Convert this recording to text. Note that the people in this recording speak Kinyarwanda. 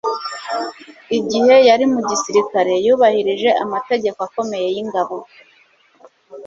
igihe yari mu gisirikare, yubahirije amategeko akomeye y'ingabo